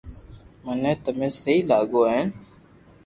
مني تمي سھي لاگو ھين